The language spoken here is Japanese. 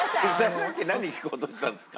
さっき何聞こうとしてたんですか？